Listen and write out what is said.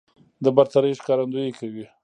د برترۍ ښکارندويي کوي